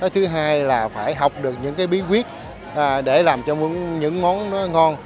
thứ hai là phải học được những bí quyết để làm cho những món ngon